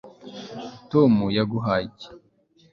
tom yaguhaye iki